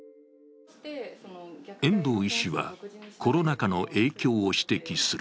遠藤医師は、コロナ禍の影響を指摘する。